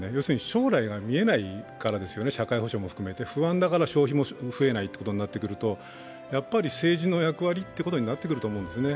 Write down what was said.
将来が見えないからですよね、社会保障も含めて不安だから消費も増えないということになってくると政治の役割ということになってくると思うんですね。